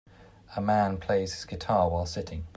A man plays his guitar while sitting.